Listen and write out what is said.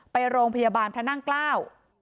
ไปโรงพยาบาลพระนั่งเกล้า